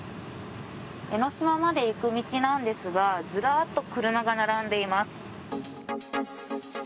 江の島まで行く道なんですがずらーっと車が並んでいます。